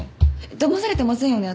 だまされてませんよね？